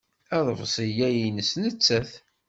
Aḍebsi-a nnes nettat.